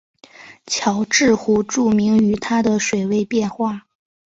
乔治湖著名于它的水位变化。